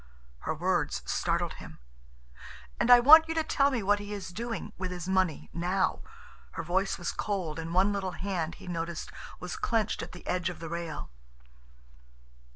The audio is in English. Her words startled him. "And I want you to tell me what he is doing—with his money—now." Her voice was cold, and one little hand, he noticed, was clenched at the edge of the rail.